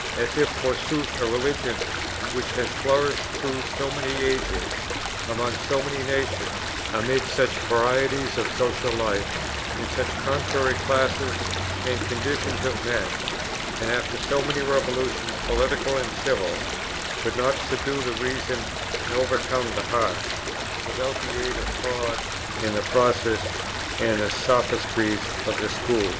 as if forsooth a Religion which has flourished through so many ages, among so many nations, amid such varieties of social life, in such contrary classes and conditions of men, and after so many revolutions, political and civil, could not subdue the reason and overcome the heart, without the aid of fraud in the process and the sophistries of the schools.